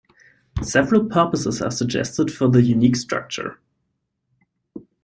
Several purposes are suggested for the unique structure.